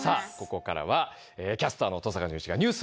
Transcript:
ここからはキャスターの登坂淳一が。